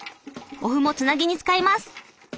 お麩もつなぎに使います。